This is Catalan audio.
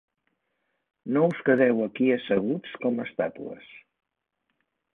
No us quedeu aquí asseguts com estàtues.